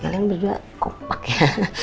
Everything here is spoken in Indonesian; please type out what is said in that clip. kalian berdua kompak ya